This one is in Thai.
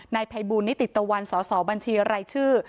ภัยบูลนิติตะวันสสบัญชีรายชื่อ